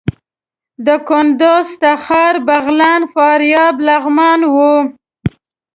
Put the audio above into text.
د کندوز، تخار، بغلان، فاریاب، لغمان وو.